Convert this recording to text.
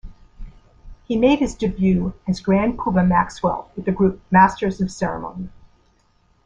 He made his debut as Grand Puba Maxwell with the group Masters of Ceremony.